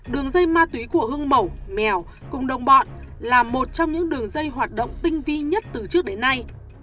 đường dây ma túy của hương mẩu mèo cùng đồng bọn là một trong những đường dây hoạt động tinh vi nhất từ trước đến nay